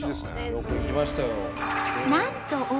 よく行きましたよ。